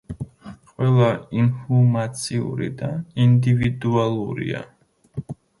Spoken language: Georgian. ყველა ინჰუმაციური და ინდივიდუალურია.